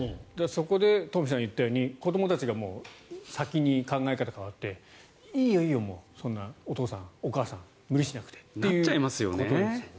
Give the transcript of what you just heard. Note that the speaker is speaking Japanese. そこで東輝さんが言ったように子どもたちが先に考え方が変わっていいよいいよ、もうお父さん、お母さん無理しなくてっていうことですよね。